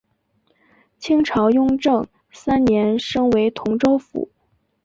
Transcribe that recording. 清朝雍正三年升为同州府。